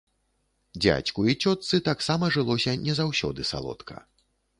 Дзядзьку і цётцы таксама жылося не заўсёды салодка.